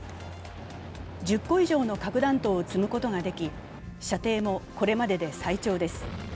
１０個以上の核弾頭を積むことができ射程も、これまでで最長です。